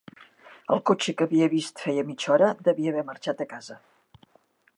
El cotxe que havia vist feia mitja hora devia haver marxat a casa.